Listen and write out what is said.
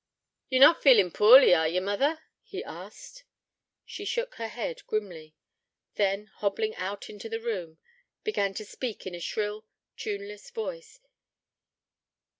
'Ye're not feeling poorly, are ye, mother?' he asked. She shook her head grimly: then, hobbling out into the room, began to speak in a shrill, tuneless voice.